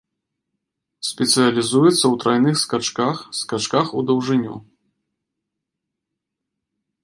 Спецыялізуецца ў трайных скачках, скачках у даўжыню.